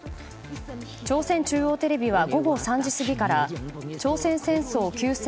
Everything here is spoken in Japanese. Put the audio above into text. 朝鮮中央テレビは午後３時過ぎから朝鮮戦争休戦